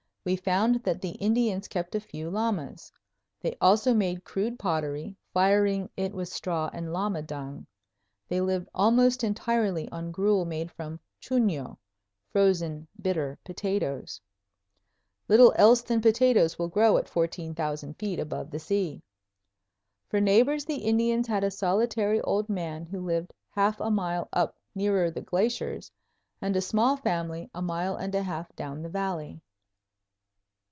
We found that the Indians kept a few llamas. They also made crude pottery, firing it with straw and llama dung. They lived almost entirely on gruel made from chuño, frozen bitter potatoes. Little else than potatoes will grow at 14,000 feet above the sea. For neighbors the Indians had a solitary old man, who lived half a mile up nearer the glaciers, and a small family, a mile and a half down the valley.